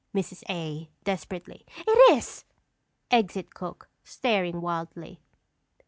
Mrs. A. (desperately). It is! [_Exit cook, staring wildly.